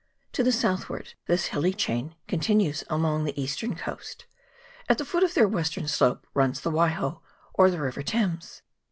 To the southward this hilly chain continues along the eastern coast: at the foot of their western slope runs the Waiho, or the river Thames.